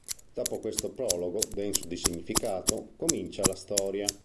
Dopo questo prologo denso di significato, comincia la storia.